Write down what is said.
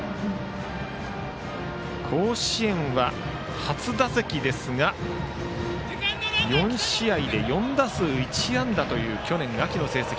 甲子園は初打席ですが４試合で４打数１安打という去年秋の成績。